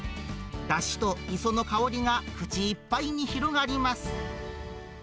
だしと磯の香りが口いっぱいに広がります。